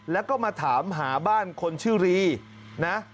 แล้วก็มาถามหาบ้านคนชื่อรีนะ